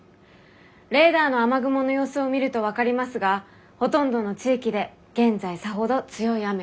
レーダーの雨雲の様子を見ると分かりますがほとんどの地域で現在さほど強い雨は降っていません。